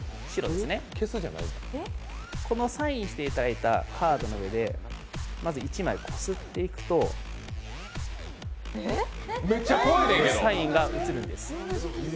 このサインしていただいたカードの上で、まず１枚こすっていくとサインが写るんです。